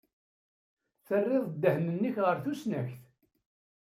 Terriḍ ddehn-nnek ɣer tusnakt.